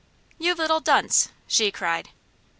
"You little dunce!" she cried.